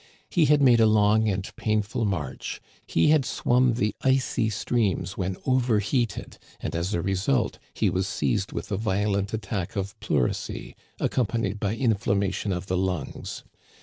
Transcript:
He had made a long and painful march, he had swum the icy streams when overheated, and as a re sult he was seized with a violent attack of pleurisy, ac companied by inflammation of the lungs.